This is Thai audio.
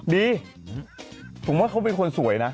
ดีผมว่าเขาเป็นคนสวยนะ